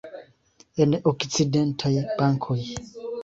En okcidentaj bankoj.